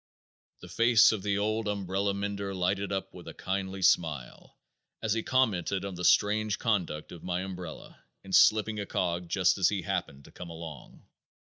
The face of the old umbrella mender lighted up with a kindly smile as he commented on the strange conduct of my umbrella in slipping a cog just as he happened to come along.